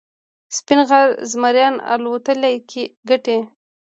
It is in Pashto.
سپین غر زمریان اتلولي ګټي.